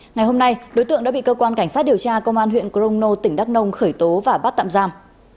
ngày hôm nay đối tượng đã bị cơ quan cảnh sát điều tra công an huyện crono tỉnh đắk nông khởi tố và bắt tạm giam